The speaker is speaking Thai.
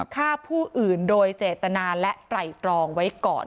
ฆ่าผู้อื่นโดยเจตนาและไตรตรองไว้ก่อน